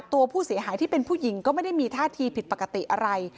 ตัวผู้เสียหายที่เป็นผู้หญิงก็ไม่ได้มีท่าทีผิดปกติอะไร